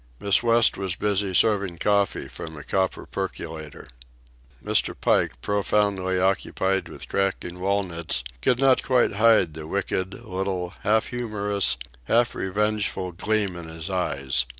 Miss West was busy serving coffee from a copper percolator. Mr. Pike, profoundly occupied with cracking walnuts, could not quite hide the wicked, little, half humorous, half revengeful gleam in his eyes.